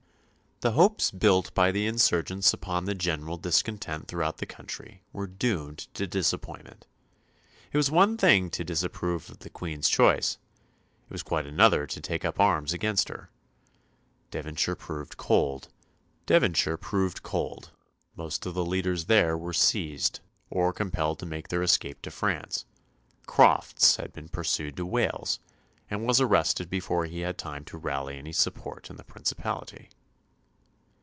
] The hopes built by the insurgents upon the general discontent throughout the country were doomed to disappointment. It was one thing to disapprove of the Queen's choice; it was quite another to take up arms against her. Devonshire proved cold; most of the leaders there were seized, or compelled to make their escape to France; Crofts had been pursued to Wales, and was arrested before he had time to rally any support in the principality.